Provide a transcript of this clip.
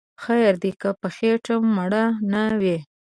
خیر دی که په خیټه موړ نه وی